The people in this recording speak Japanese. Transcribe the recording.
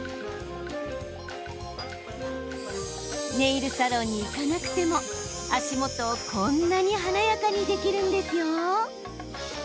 ネイルサロンに行かなくても足元をこんなに華やかにできるんですよ。